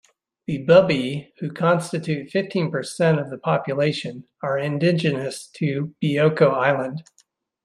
The Bubi, who constitute fifteen percent of the population, are indigenous to Bioko Island.